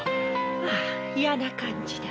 ああ嫌な感じだ。